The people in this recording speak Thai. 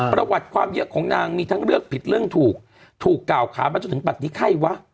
ประวัติความเยอะของนางมีทั้งเลือกผิดเรื่องถูกถูกกล่าวขามาจนถึงบัตรนี้ไข้วะ